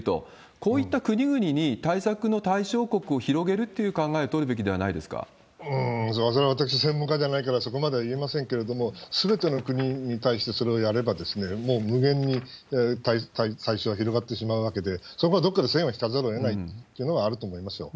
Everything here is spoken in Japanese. こういった国々に対策の対象国を広げるという考えを取るべきではそれは私、専門家ではないからそこまでは言えませんけれども、すべての国に対してそれをやれば、もう無限に対象は広がってしまうわけで、そこはどこかで線を引かざるをえないというのはあると思いますよ。